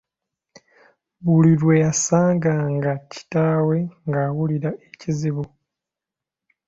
Buli lwe yasanganga kitaawe ng'awulira ekizibu.